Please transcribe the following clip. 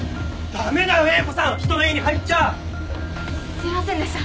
すいませんでした。